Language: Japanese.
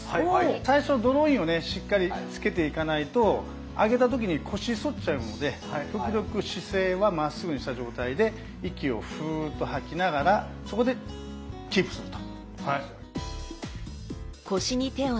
最初ドローインをしっかりつけていかないと上げた時に腰反っちゃうので極力姿勢はまっすぐにした状態で息をフーッと吐きながらそこでキープすると。